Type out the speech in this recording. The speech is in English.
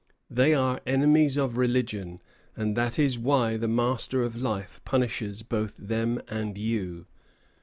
They are enemies of religion, and that is why the Master of Life punishes both them and you.